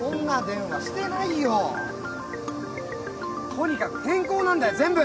とにかく変更なんだよ全部！